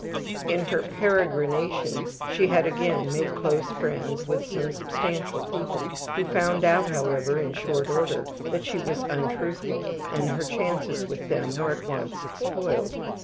In her peregrinations she had again made close friends with some substantial people, who found out, however, in short order that she was untruthful, and her chances with them were at once spoiled.